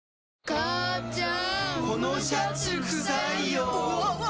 母ちゃん！